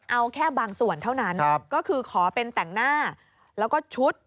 เอาแค่บางส่วนเท่านั้นก็คือขอเป็นแต่งหน้าแล้วก็ชุด